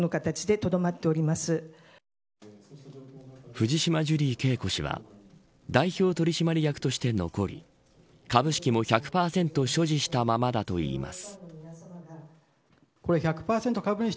藤島ジュリー景子氏は代表取締役として残り株式も１００％所持したままだといいます。